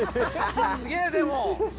すげぇでも。